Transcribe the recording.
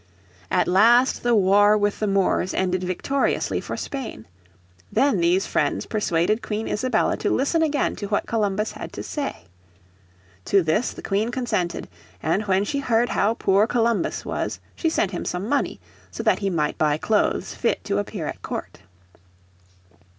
At last the war with the Moors ended victoriously for Spain. Then these friends persuaded Queen Isabella to listen again to what Columbus had to say. To this the Queen consented, and when she heard how poor Columbus was she sent him some money, so that he might buy clothes fit to appear at court.